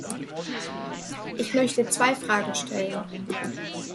Ich möchte zwei Fragen stellen.